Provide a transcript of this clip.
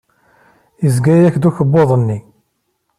Yezga-yak-d ukebbuḍ-nni.